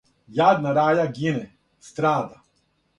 Јадна раја гине, страда.